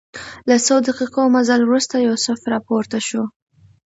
له څو دقیقو مزل وروسته یوسف راپورته شو.